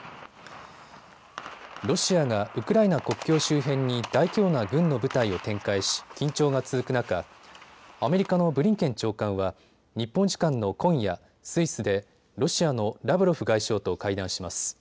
ロシアがウクライナ国境周辺に大規模な軍の部隊を展開し緊張が続く中、アメリカのブリンケン長官は日本時間の今夜、スイスでロシアのラブロフ外相と会談します。